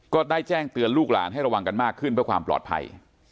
ก็ได้แจ้งเตือนลูกหลานให้ระวังกันมากขึ้นเพื่อความปลอดภัย